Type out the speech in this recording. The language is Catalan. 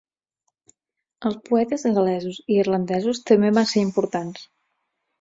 Els poetes gal·lesos i irlandesos també van ser importants.